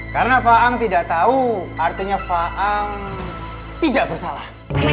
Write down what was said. karena faang tidak tau artinya faang tidak bersalah